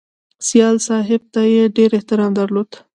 سیال صاحب ته یې ډېر احترام درلود